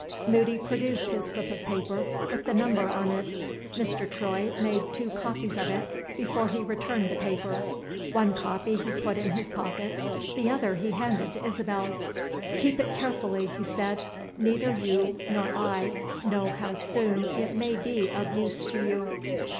Moody produced his slip of paper with the number on it. Mr. Troy made two copies of it before he returned the paper. One copy he put in his pocket, the other he handed to Isabel. "Keep it carefully," he said. "Neither you nor I know how soon it may be of use to you."